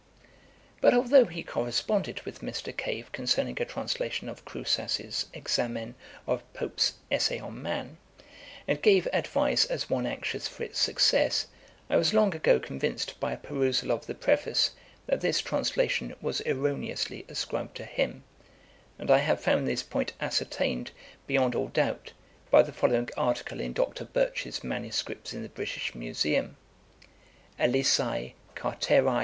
[Page 138: Mr. Macbean. A.D. 1738.] But although he corresponded with Mr. Cave concerning a translation of Crousaz's Examen of Pope's Essay on Man, and gave advice as one anxious for its success, I was long ago convinced by a perusal of the Preface, that this translation was erroneously ascribed to him; and I have found this point ascertained, beyond all doubt, by the following article in Dr. Birch's Manuscripts in the British Museum: 'ELISÆ CARTERÆ.